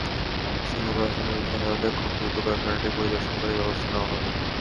স্থানীয় প্রশাসনের সহায়তায় খুব দ্রুত কারখানাটি পরিদর্শন করে ব্যবস্থা নেওয়া হবে।